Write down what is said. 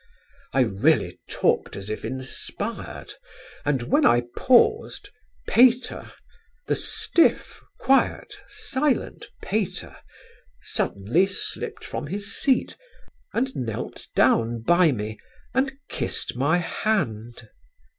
I really talked as if inspired, and when I paused, Pater the stiff, quiet, silent Pater suddenly slipped from his seat and knelt down by me and kissed my hand.